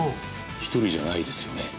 １人じゃないですよね？